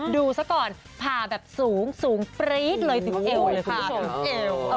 ดูซะก่อนผ่าแบบสูงปรี๊ดเลยถึงเอวเลยค่ะ